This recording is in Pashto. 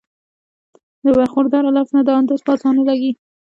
د برخوردار لفظ نه دا اندازه پۀ اسانه لګي